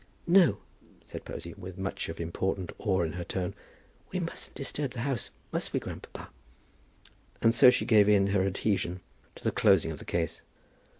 "No," said Posy, with much of important awe in her tone; "we mustn't disturb the house; must we, grandpapa?" And so she gave in her adhesion to the closing of the case.